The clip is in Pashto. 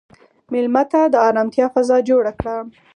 مېلمه ته د ارامتیا فضا جوړ کړه.